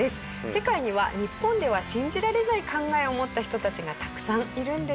世界には日本では信じられない考えを持った人たちがたくさんいるんですね。